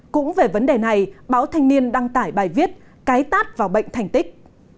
cũng về vấn đề này báo thanh niên đăng tải bài viết cái tát vào bệnh thành tích